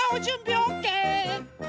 オッケー！